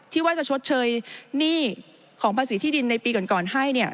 ที่ว่าจะชดเชยหนี้ของภาษีที่ดินในปีก่อนให้เนี่ย